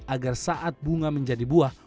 agar saat bunga menjadi buah